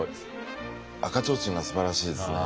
赤ちょうちんがすばらしいですね。